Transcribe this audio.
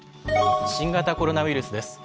新型コロナウイルスです。